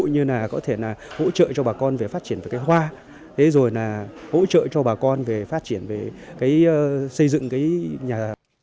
như là có thể là hỗ trợ cho bà con về phát triển về cái hoa thế rồi là hỗ trợ cho bà con về phát triển về cái xây dựng cái nhà